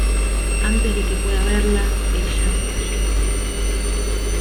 Antes de que pueda verla, ella fallece.